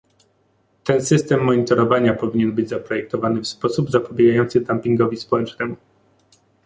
Ten system monitorowania powinien być zaprojektowany w sposób zapobiegający dumpingowi społecznemu